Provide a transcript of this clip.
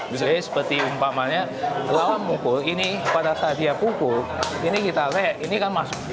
jadi seperti umpamanya lawan mukul ini pada saat dia pukul ini kita le ini kan masuk